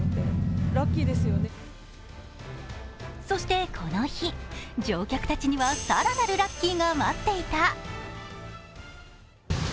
そしてこの日、乗客たちには更なるラッキーが待っていた。